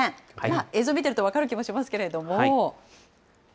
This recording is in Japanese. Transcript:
映像見てると分かる気もしますけれども。